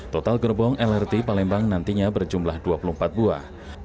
total gerbong lrt palembang nantinya berjumlah dua puluh empat buah